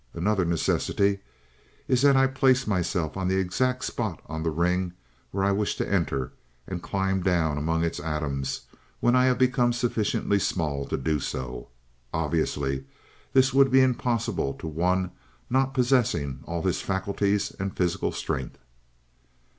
Another necessity is that I place myself on the exact spot on that ring where I wish to enter and to climb down among its atoms when I have become sufficiently small to do so. Obviously, this would be impossible to one not possessing all his faculties and physical strength."